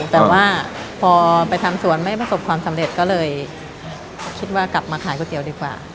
แต่ว่าพอไปทำสวนไม่ประสบความสำเร็จก็เลยคิดว่ากลับมาขายก๋วยเตี๋ยวดีกว่า